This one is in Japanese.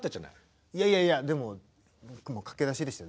いやいやいやでも僕も駆け出しでしたよ。